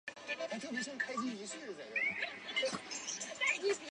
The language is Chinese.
可是等了好几天也不见辜来。